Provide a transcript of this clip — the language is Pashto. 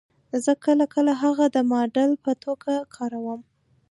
زه کله کله هغه د ماډل په توګه کاروم